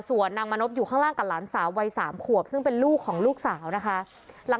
ส่วนนางมณพอยู่ข้างล่างกับหลานสาววัย๓ขวบซึ่งเป็นลูกของลูกสาวนะคะ